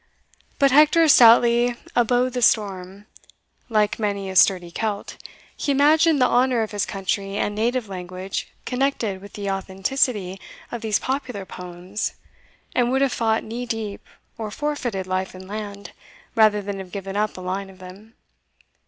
But Hector stoutly abode the storm; like many a sturdy Celt, he imagined the honour of his country and native language connected with the authenticity of these popular poems, and would have fought knee deep, or forfeited life and land, rather than have given up a line of them.